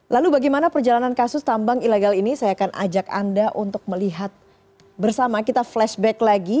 lalu bagaimana perjalanan kasus tambang ilegal ini saya akan ajak anda untuk melihat bersama kita flashback lagi